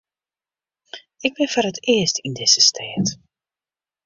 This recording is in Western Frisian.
Ik bin foar it earst yn dizze stêd.